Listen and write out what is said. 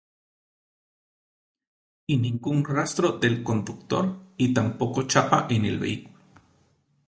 Y ningún rastro del conductor, y tampoco chapa en el vehículo.